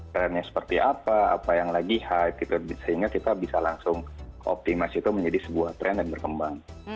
trendnya seperti apa apa yang lagi hype gitu sehingga kita bisa langsung optimasi itu menjadi sebuah tren dan berkembang